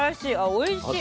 おいしい。